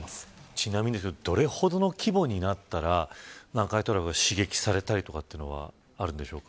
ちなみに、どれほどの規模になったら南海トラフが刺激されたりとかというのはあるんですか。